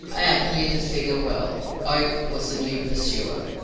Ab knew the figure well. Oak was the new pursuer!